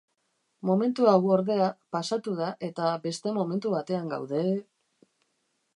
Momentu hau, ordea, pasatu da eta beste momentu batean gaude...